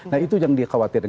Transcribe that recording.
nah itu yang dikhawatirkan